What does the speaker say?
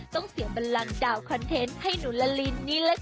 ต้องเสียบันลังดาวคอนเทนต์ให้หนูละลินนี่แหละค่ะ